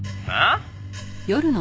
ああ？